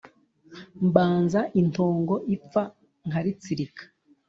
Mbanza intongo ipfa nkaritsirika,